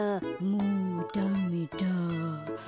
もうダメだ。